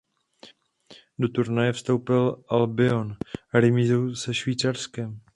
Do turnaje vstoupil "Albion" remízou se Švýcarskem.